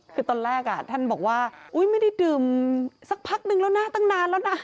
คือตอนแรกท่านบอกว่าไม่ได้ดื่มสักพักนึงแล้วนะตั้งนานแล้วนะ